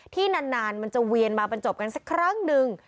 ที่นานมันจะเวียนมาบรรจบกันสักครั้งหนึ่ง